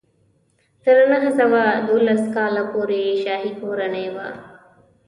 تر نهه سوه دولس کال پورې شاهي کورنۍ وه.